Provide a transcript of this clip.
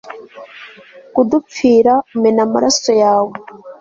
kudupfira, umena amaraso yawe